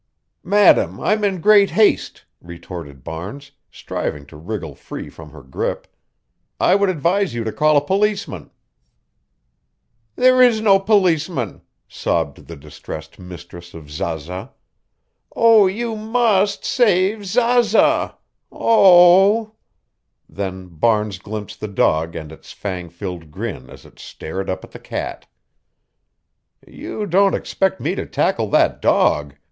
"Madam, I'm in great haste," retorted Barnes, striving to wriggle free from her grip. "I would advise you to call a policeman." "There is no policeman," sobbed the distressed mistress of Zaza. "Oh, you m m m must s s s save my Z z z z z z z z z aza. Oo oo!" Then Barnes glimpsed the dog and its fang filled grin as it stared up at the cat. "You don't expect me to tackle that dog?"